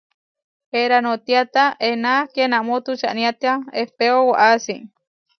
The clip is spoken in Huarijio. Enariótiata ená kienamó tučaniátia ehpéo waʼási.